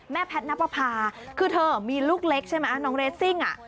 แม่แพทนับพาคือเธอมีลูกเล็กใช่มั้ยน้องเรซิ่งอ่ะ